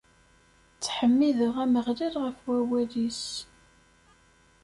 Ttḥemmideɣ Ameɣlal ɣef wawal-is.